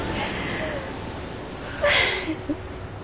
フフフ。